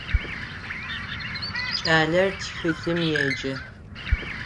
Кӏалэр тхылъым еджэ.